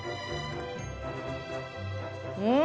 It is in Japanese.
うん！